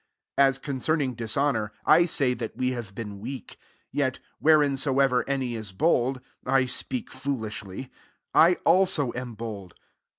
21 As concerning dishonour, I say that we have been weak. Yet whereinsoever any is bold, (I speak foolishly,) 1 also am bold.